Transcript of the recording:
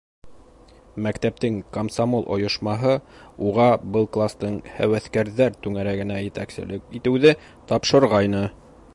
Мәктәптең комсомол ойошмаһы уға был кластың һәүәҫкәрҙәр түңәрәгенә етәкселек итеүҙе тапшырғайны.